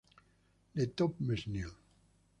Le Torp-Mesnil